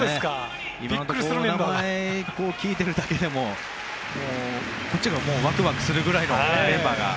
名前を聞いているだけでもこっちがワクワクするぐらいのメンバーが。